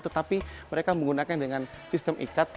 tetapi mereka menggunakan dengan sistem ikat